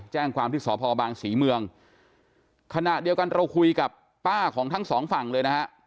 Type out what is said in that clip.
แจ้งความที่สพบางศรีเมืองขณะเดียวกันเราคุยกับป้าของทั้งสองฝั่งเลยนะฮะ